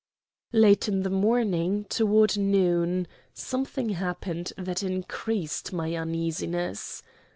Late in the morning, toward noon, something happened that increased my uneasiness.